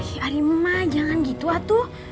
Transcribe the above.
eh adi emak jangan gitu atu